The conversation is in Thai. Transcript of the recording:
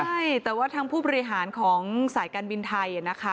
ใช่แต่ว่าทางผู้บริหารของสายการบินไทยนะคะ